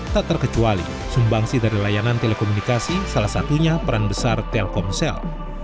tak terkecuali sumbangsi dari layanan telekomunikasi salah satunya peran besar telkomsel